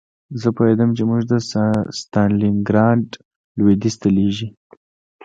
زه پوهېدم چې موږ د ستالینګراډ لویدیځ ته لېږي